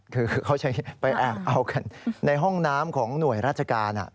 คือเขาใช้ไปแอบเอากันในห้องน้ำของหน่วยราชการ